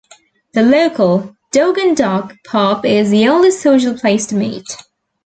The local "Dog and Duck" pub is the only social place to meet.